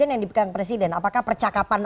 yang dipegang presiden apakah percakapan